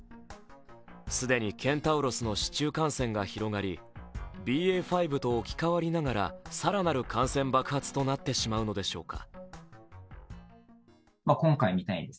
既にケンタウロスの市中感染が広がりＢＡ．５と置き換わりながら更なる感染爆発となってしまうのでしょうか。